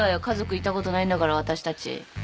家族いたことないんだから私たち。